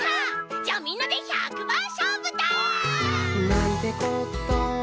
じゃあみんなで１００ばんしょうぶだ！